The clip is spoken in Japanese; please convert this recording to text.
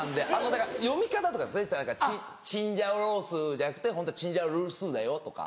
だから読み方とかですね「チンジャオロース」じゃなくてホントは「チンジャオルースー」だよとか。